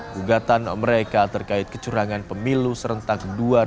gugatan mereka terkait kecurangan pemilu serentak dua ribu dua puluh